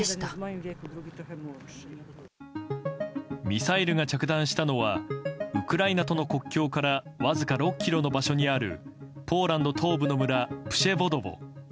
ミサイルが着弾したのはウクライナとの国境からわずか６ｋｍの場所にあるポーランド東部の村プシェヴォドヴォ。